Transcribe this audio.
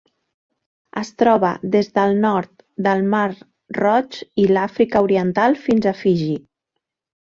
Es troba des del nord del Mar Roig i l'Àfrica Oriental fins a Fiji.